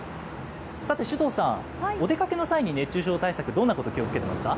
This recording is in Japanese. さて、首藤さん、お出かけの際に熱中症対策、どんなこと、気をつけてますか。